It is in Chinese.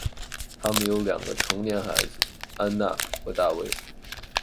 他们有两个成年孩子，安娜和大卫。